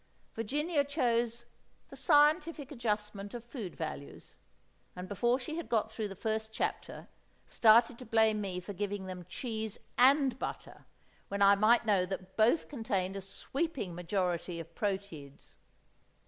Virginia chose "The Scientific Adjustment of Food Values"; and, before she had got through the first chapter, started to blame me for giving them cheese and butter, when I might know that both contained a sweeping majority of proteids.